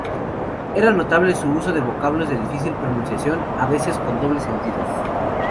Era notable el uso de vocablos de difícil pronunciación, a veces con dobles sentidos.